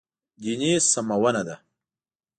دیني سمونه دی.